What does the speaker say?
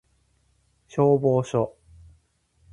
消防署